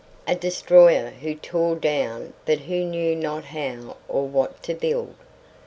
A destroyer who tore down but who knew not how or what to build.